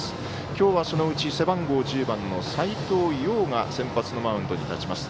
今日は、そのうち背番号１０番の斎藤蓉が先発マウンドに立ちます。